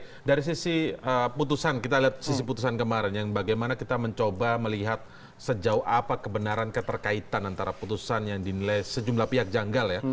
oke dari sisi putusan kita lihat sisi putusan kemarin yang bagaimana kita mencoba melihat sejauh apa kebenaran keterkaitan antara putusan yang dinilai sejumlah pihak janggal ya